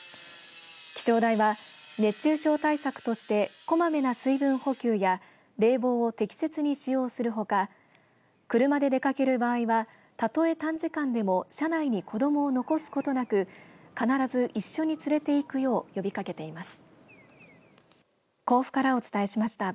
気象台は熱中症対策としてこまめな水分補給や冷房を適切に使用するほか車で出かける場合はたとえ短時間でも車内に子どもを残すことなく必ず一緒に連れて行くよう呼びかけています。